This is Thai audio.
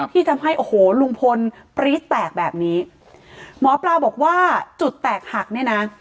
ที่ทำให้โอ้โหลุงพลปรี๊ดแตกแบบนี้หมอปลาบอกว่าจุดแตกหักเนี่ยนะ